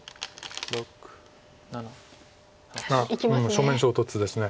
正面衝突です。